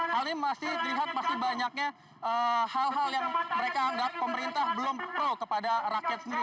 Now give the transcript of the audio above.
hal ini masih dilihat masih banyaknya hal hal yang mereka anggap pemerintah belum pro kepada rakyat sendiri